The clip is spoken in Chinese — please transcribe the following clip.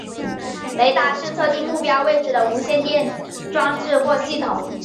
雷达是测定目标位置的无线电装置或系统。